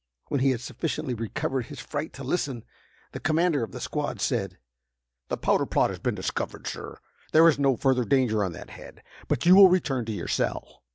When he had sufficiently recovered his fright to listen, the commander of the squad said: "The powder plot has been discovered, sir. There is no further danger on that head. But you will return to your cell!"